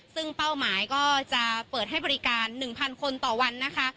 ซึ่งเป้าหมายก็จะเปิดให้บริการ๑๐๐คนต่อวันนะคะ